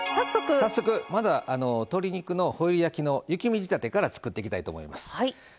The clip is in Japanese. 早速、まずは鶏肉のホイル焼きの雪見仕立てから作っていきたいと思います。